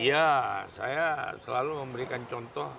ya saya selalu memberikan contoh